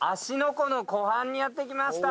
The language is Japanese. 湖の湖畔にやって来ました。